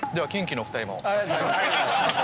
ありがとうございます。